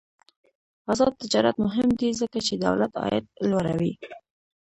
آزاد تجارت مهم دی ځکه چې دولت عاید لوړوي.